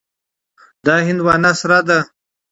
دا هندوانه سره ده.